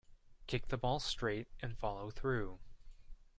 Kick the ball straight and follow through.